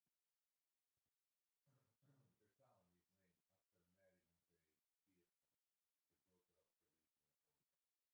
The town is named after Mary Montague Pierpont, the daughter of the original owner.